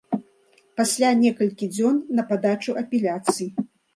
Пасля некалькі дзён на падачу апеляцый.